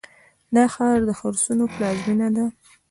دا ښار د خرسونو پلازمینه ده.